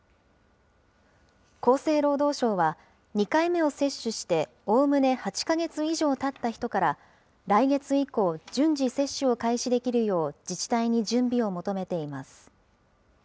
厚生労働省は、２回目を接種しておおむね８か月以上たった人から来月以降、順次接種を開始できるよう自治体に準備を求めています。